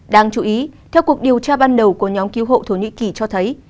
đáng chú ý theo cuộc điều tra ban đầu của nhóm cứu hộ thổ nhĩ kỳ cho thấy